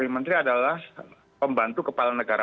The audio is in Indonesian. menteri adalah pembantu kepala negara